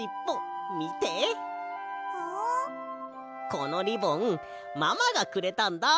このリボンママがくれたんだ。